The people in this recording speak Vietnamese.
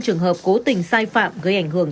trường hợp cố tình sai phạm gây ảnh hưởng